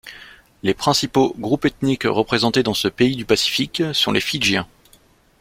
Les principaux groupes ethniques représentés dans ce pays du Pacifique sont les Fidjiens.